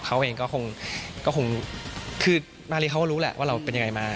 เขาเองก็คงคือมาริเขาก็รู้แหละว่าเราเป็นยังไงมา